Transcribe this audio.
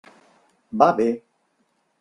Va bé.